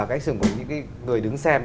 cái action của những người đứng xem